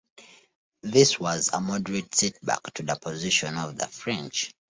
This was a moderate setback to the position of the French.